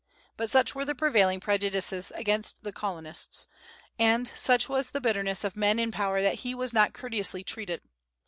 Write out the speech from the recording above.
But such were the prevailing prejudices against the Colonists, and such was the bitterness of men in power that he was not courteously treated.